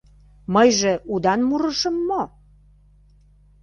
Мыйже удан мурышым мо?